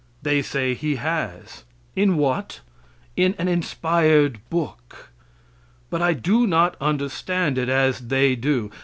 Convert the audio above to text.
They say He has. In what? In an inspired book. But I do not understand it as they do.